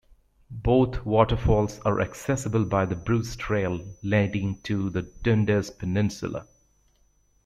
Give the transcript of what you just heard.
Both waterfalls are accessible by the Bruce trail leading to the Dundas Peninsula.